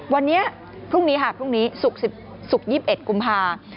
วันนี้พรุ่งนี้ค่ะพรุ่งนี้ศุกร์๒๑กุมภา